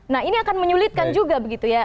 nah ini akan menyulitkan juga begitu ya